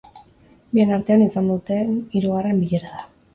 Bien artean izan duten hirugarren bilera da.